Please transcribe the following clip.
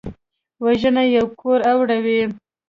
وژنه یو کور اوروي